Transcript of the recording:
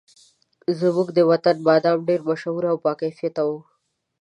زموږ د وطن بادام ډېر مشهور او باکیفیته وو.